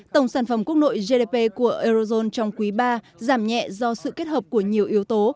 tổng sản phẩm quốc nội gdp của eurozone trong quý ba giảm nhẹ do sự kết hợp của nhiều yếu tố